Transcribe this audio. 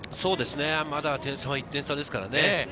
まだ点差は１点差ですからね。